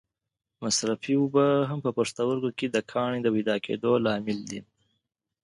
مصرفې اوبه هم په پښتورګو کې د کاڼې د پیدا کېدو لامل دي.